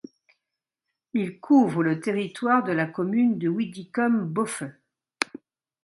Il couvre le territoire de la commune de Widikum-Boffe.